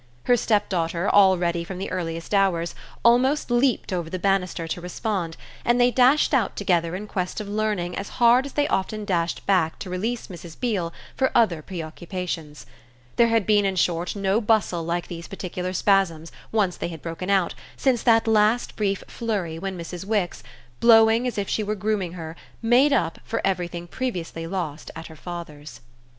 Her stepdaughter, all ready from the earliest hours, almost leaped over the banister to respond, and they dashed out together in quest of learning as hard as they often dashed back to release Mrs. Beale for other preoccupations. There had been in short no bustle like these particular spasms, once they had broken out, since that last brief flurry when Mrs. Wix, blowing as if she were grooming her, "made up" for everything previously lost at her father's.